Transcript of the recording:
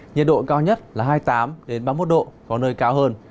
nhiệt độ cao nhất là hai mươi tám ba mươi một độ có nơi cao hơn